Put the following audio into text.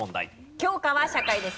教科は社会です。